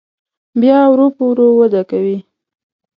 بیا ورو په ورو وده کوي.